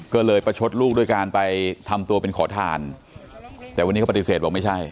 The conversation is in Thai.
ก็เลยประชดลูกด้วยการไปทำตัวเป็นขอทานแต่วันนี้เขาปฏิเสธบอกไม่ใช่